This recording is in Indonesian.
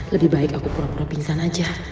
lebih baik aku pura pura pingsan aja